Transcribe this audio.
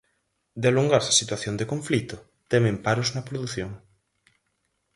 De alongarse a situación de conflito temen paros na produción.